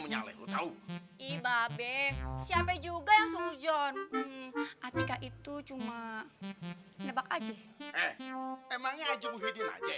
menyalahkan tahu ibab eh siapa juga yang so uzon artikel itu cuma nebak aja emangnya